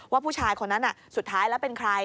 ผู้ชายคนนั้นสุดท้ายแล้วเป็นใคร